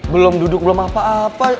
belom duduk belom apa apa